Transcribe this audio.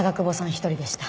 １人でした。